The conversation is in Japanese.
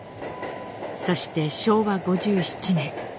そして昭和５７年。